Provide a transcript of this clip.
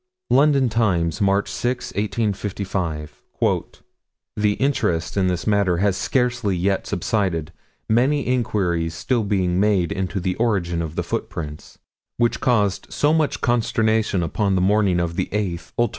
London Times, March 6, 1855: "The interest in this matter has scarcely yet subsided, many inquiries still being made into the origin of the footprints, which caused so much consternation upon the morning of the 8th ult.